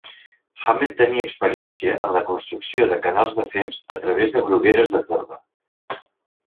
Hammett tenia experiència en la construcció de canals de fems a través de brugueres de torba.